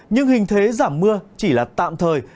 nhưng hình thế giảm mưa chỉ là tạm thời